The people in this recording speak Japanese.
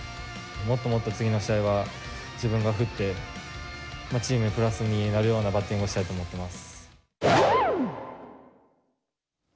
もっともっと次の試合は自分が振って、チームにプラスになるようなバッティングをしたいと思ってます。